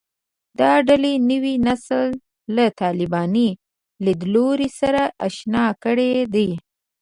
دا ډلې نوی نسل له طالباني لیدلوري سره اشنا کړی دی